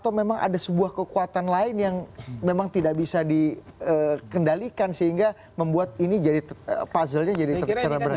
atau memang ada sebuah kekuatan lain yang memang tidak bisa dikendalikan sehingga membuat ini jadi puzzle nya jadi tercerah berat